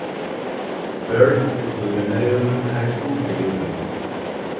Beard estudió en la "Irving High School" de Irving.